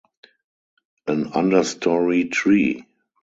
An understorey tree.